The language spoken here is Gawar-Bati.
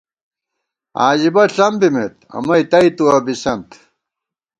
عاجِبہ ݪم بِمېت، امئ تئیتُوَہ بِسَنت